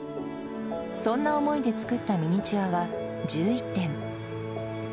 そんな思いで作ったミニチュアは１１点。